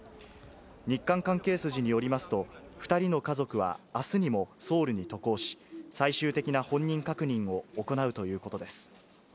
日韓関係筋によりますと、２人の家族はあすにも、ソウルに渡航し、最終的な本人確認を行うということです。